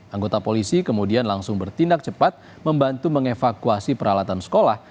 anggota polisi kemudian langsung bertindak cepat membantu mengevakuasi peralatan sekolah